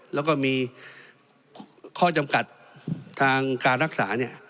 แล้วก็มีข้อจำกัดทางการรักษาเนี่ย